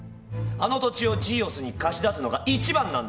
あの土地をジーオスに貸し出すのが一番なんだ。